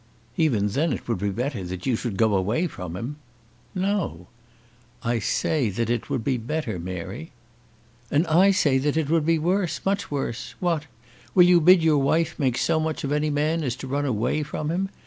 "Even then it would be better that you should go away from him." "No!" "I say that it would be better, Mary." "And I say that it would be worse, much worse. What? Will you bid your wife make so much of any man as to run away from him?